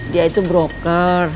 dia itu broker